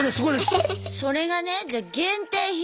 それがねじゃあ限定品